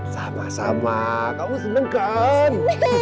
sama sama kamu seneng kan